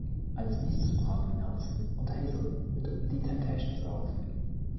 Als nächstes traten Nelson und Hazel mit The Temptations auf.